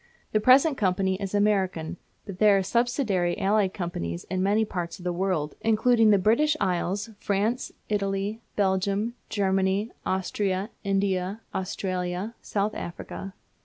The present company is American, but there are subsidiary allied companies in many parts of the world, including the British Isles, France, Italy, Belgium, Germany, Austria, India, Australia, South Africa.